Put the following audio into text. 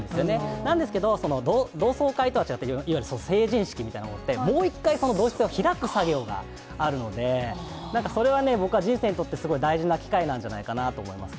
なんですけど、同窓会とは違って、いわゆる成人式みたいなものって、もう一回、この同質性をひらく作業があるので、なんかそれはね、僕は人生にとってすごい大事な機会なんじゃないかなと思いますけ